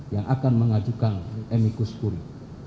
yang akan mengajukan emikus pun